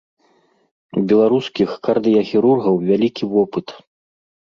У беларускіх кардыяхірургаў вялікі вопыт.